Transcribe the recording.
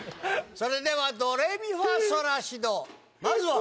それではドレミファソラシドまずは。